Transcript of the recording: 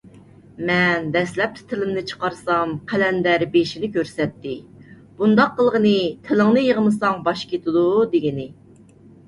مەن دەسلەپتە تىلىمنى چىقارسام، قەلەندەر بېشىنى كۆرسەتتى. بۇنداق قىلغىنى «تىلىڭنى يىغمىساڭ، باش كېتىدۇ» دېگىنى.